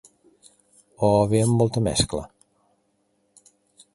O ve amb molta mescla?